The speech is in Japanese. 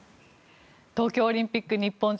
東京オリンピック日本勢